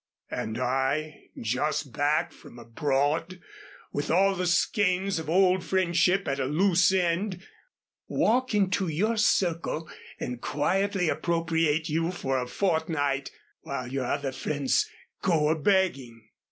And I, just back from abroad with all the skeins of old friendship at a loose end, walk into your circle and quietly appropriate you for a fortnight while your other friends go a begging."